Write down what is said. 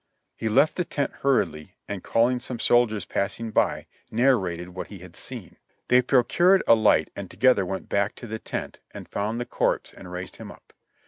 He left the tent hurriedly, and call ing some soldiers passing by, narrated what he had seen. They 140 JOHNNY REB AND BILLY YANK procured a light and together went back to the tent, and found the corpse and raised him up.